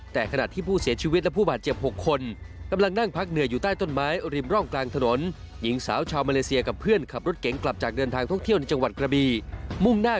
แต่ขนาดที่ผู้เสียชีวิตและผู้บาดเจ็บ๖คน